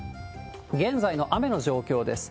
現在の雨の状況です。